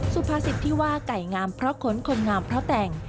สุภาษิตที่ว่าไก่งามเพราะขนคนงามเพราะแต่ง